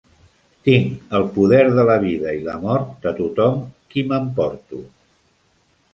Tinc el poder de la vida i la mort de tothom qui m'emporto.